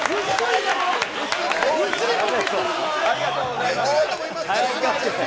ありがとうございます。